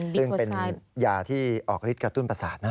ซึ่งเป็นยาที่ออกฤทธิกระตุ้นประสาทนะ